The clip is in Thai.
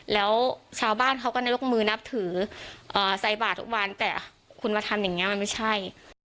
แล้วชาวบ้านเขาก็ได้ยกมือนับถือใส่บาททุกวันแต่คุณมาทำอย่างนี้มันไม่ใช่